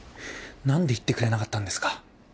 何で言ってくれなかったんですか。